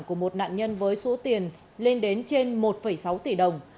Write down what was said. của một nạn nhân với số tiền lên đến trên một sáu tỷ đồng